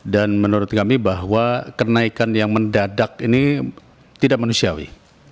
dan menurut kami bahwa kenaikan yang mendadak ini tidak manusiawi